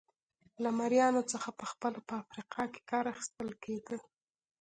له مریانو څخه په خپله په افریقا کې کار اخیستل کېده.